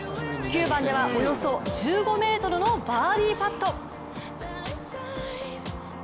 ９番ではおよそ１５ｍのバーディーパット。